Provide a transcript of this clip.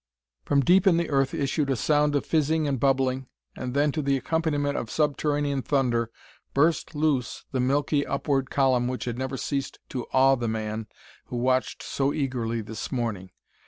From deep in the earth issued a sound of fizzing and bubbling, and then, to the accompaniment of subterranean thunder, burst loose the milky, upward column which had never ceased to awe the man who watched so eagerly this morning.